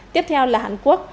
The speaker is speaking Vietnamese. tiếp theo là hàn quốc